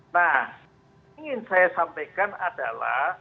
nah ingin saya sampaikan adalah